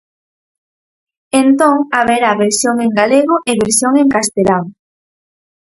Entón haberá versión en galego e versión en castelán.